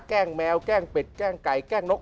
แกล้งแมวแกล้งเป็ดแกล้งไก่แกล้งนก